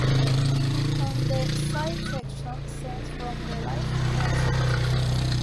On the side section, scenes from the life of St.